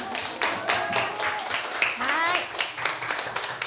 はい。